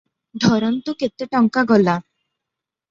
ଧରନ୍ତୁ କେତେ ଟଙ୍କା ଗଲା ।